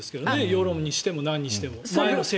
世論にしても何にしても。